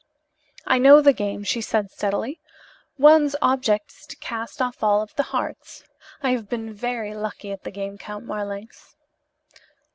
"I know the game," she said steadily. "One's object is to cast off all the hearts. I have been very lucky at the game, Count Marlanx."